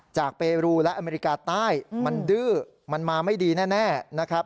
เปรูและอเมริกาใต้มันดื้อมันมาไม่ดีแน่นะครับ